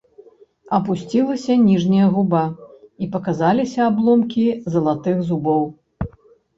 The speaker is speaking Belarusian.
Апусцілася ніжняя губа, і паказаліся абломкі залатых зубоў.